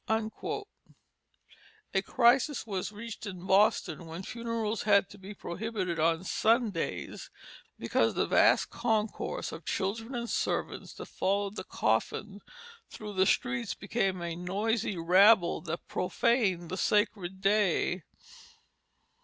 A crisis was reached in Boston when funerals had to be prohibited on Sundays because the vast concourse of children and servants that followed the coffin through the streets became a noisy rabble that profaned the sacred day.